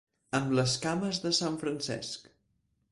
Amb les cames de Sant Francesc.